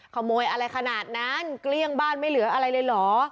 ขโมยอะไรขนาดนั้นเกลี้ยงบ้านไม่เหลืออะไรเลยเหรอ